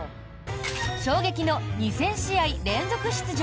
衝撃の２０００試合連続出場。